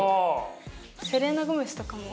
セレーナ・ゴメスとかも。